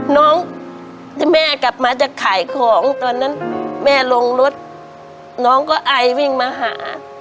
น้องที่แม่กลับมาจะขายของตอนนั้นแม่ลงรถน้องก็ไอวิ่งมาหา